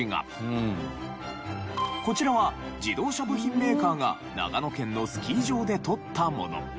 こちらは自動車部品メーカーが長野県のスキー場で撮ったもの。